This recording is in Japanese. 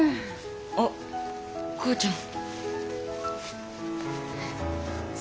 あっ母ちゃん。